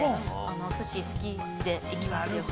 お寿司好きで、行きます、よく。